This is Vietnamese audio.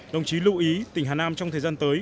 đồng chí lưu ý tỉnh hà nam trong thời gian tới